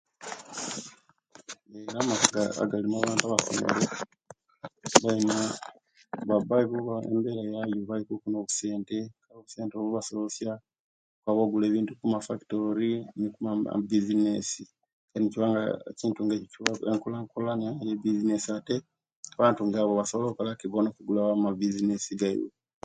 Era amaka galimu abantu abasomere bauku nesente, obusente obuwo bubayamba ogula ebintu omafactori ekiwa enkulakulana eyabizinesi ate abantu nga abo basobola Bina okwugulao bizinesi gaibwe